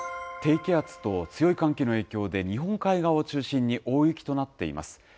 低気圧と強い寒気の影響で、日本海側を中心に、大雪となっています。